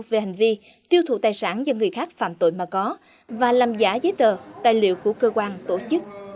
về hành vi tiêu thụ tài sản do người khác phạm tội mà có và làm giả giấy tờ tài liệu của cơ quan tổ chức